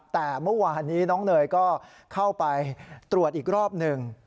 แต่เมื่อวานนี้น้องเนยก็เข้าไปตรวจอีกรอบหนึ่ง